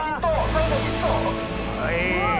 最後ヒット！